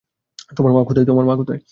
তোমার মা কোথায়?